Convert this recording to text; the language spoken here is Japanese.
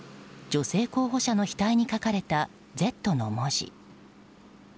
女性候補者の額に書かれた「Ｚ」の文字。